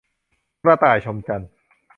กระต่ายชมจันทร์